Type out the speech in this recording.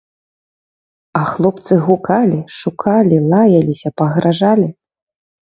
А хлопцы гукалі, шукалі, лаяліся, пагражалі.